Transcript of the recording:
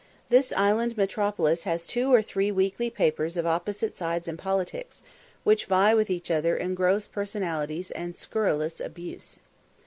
This island metropolis has two or three weekly papers of opposite sides in politics, which vie with each other in gross personalities and scurrilous abuse.